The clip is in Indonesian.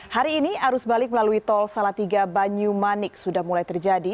hari ini arus balik melalui tol salatiga banyumanik sudah mulai terjadi